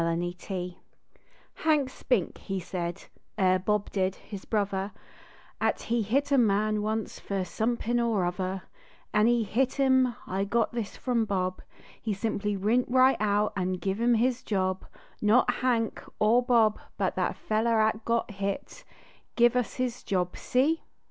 HANK SPINK Hank Spink he said er Bol) did, his brother At he hit a man once fer somepin or other, An after he hit iin I got this from Bob He simply went right out an give up his job ; Not Hank er Bob, Hut the feller at got hit Give us his job. See?